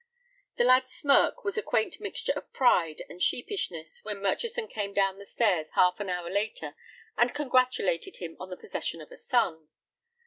The lad's smirk was a quaint mixture of pride and sheepishness when Murchison came down the stairs half an hour later and congratulated him on the possession of a son.